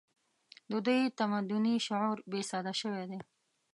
د دوی تمدني شعور بې سده شوی دی